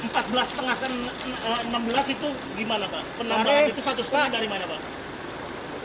pak nah persoalan empat belas lima dan enam belas itu gimana pak penambahan itu satu setengah dari mana pak